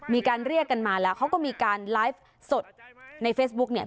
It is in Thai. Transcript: มีการเรียกกันมาแล้วเขาก็มีการไลฟ์สดในเฟซบุ๊กเนี่ย